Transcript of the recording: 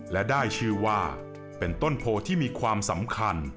และได้ชื่อว่าเป็นต้นโพที่มีความสำคัญ